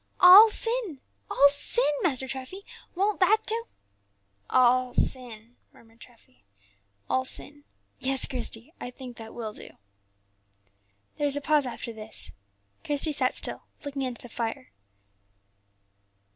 All sin, all sin, Master Treffy; won't that do?" "All sin," murmured old Treffy; "all sin! yes, Christie, I think that will do." There was a pause after this. Christie sat still, looking into the fire.